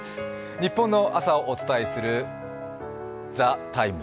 ニッポンの朝をお伝えする「ＴＨＥＴＩＭＥ，」。